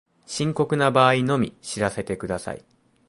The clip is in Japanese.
深刻な場合のみ知らせてください